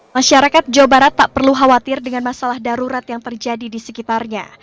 masyarakat jawa barat tak perlu khawatir dengan masalah darurat yang terjadi di sekitarnya